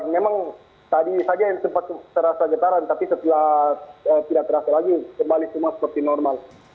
memang tadi saja yang sempat terasa getaran tapi setelah tidak terasa lagi kembali semua seperti normal